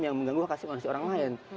yang mengganggu hak asasi manusia orang lain